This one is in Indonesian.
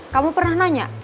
kamu pernah nanya